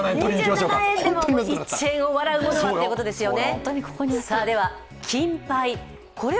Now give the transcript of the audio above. ２７円でも、１円を笑うものはっていうことですよね。